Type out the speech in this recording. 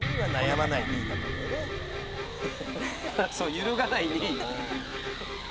揺るがない２位。